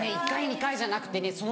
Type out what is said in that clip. １回２回じゃなくてね